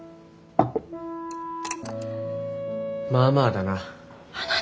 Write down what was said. まあまあだな。